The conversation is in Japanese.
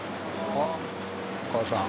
あっお母さん。